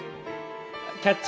「キャッチ！